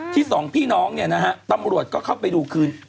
สองพี่น้องเนี่ยนะฮะตำรวจก็เข้าไปดูคืน